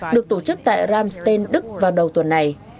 được tổ chức tại ramston đức vào đầu tuần này